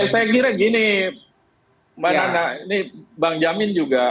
saya kira gini mbak nana ini bang jamin juga